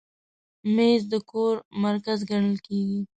مېز د کور مرکز ګڼل کېږي.